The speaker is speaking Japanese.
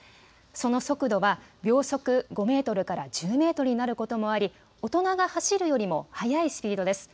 その速度は秒速５メートルから１０メートルになることもあり、大人が走るよりも速いスピードです。